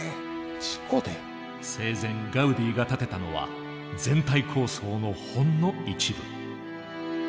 生前ガウディが建てたのは全体構想のほんの一部。